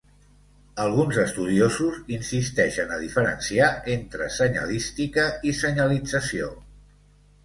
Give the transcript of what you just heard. Alguns estudiosos insisteixen a diferenciar entre senyalística i senyalització.